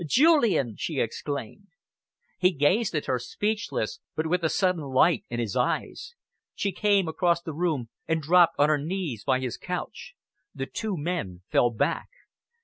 "Julian!" she exclaimed. He gazed at her, speechless, but with a sudden light in his eyes. She came across the room and dropped on her knees by his couch. The two men fell back.